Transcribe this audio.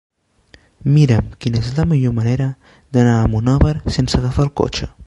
Mira'm quina és la millor manera d'anar a Monòver sense agafar el cotxe.